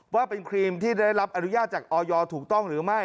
ว่าเป็นครีมที่ได้รับอนุญาตจากออยถูกต้องหรือไม่